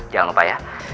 jangan lupa ya